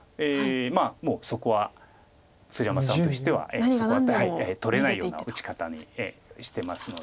もうそこは鶴山さんとしてはそこは取れないような打ち方にしてますので。